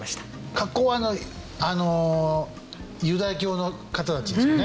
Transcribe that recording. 格好はあのユダヤ教の方たちですよね。